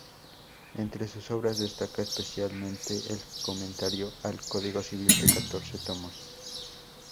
Entre sus obras destaca especialmente el comentario al Código Civil, de catorce tomos.